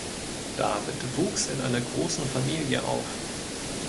David wuchs in einer großen Familie auf.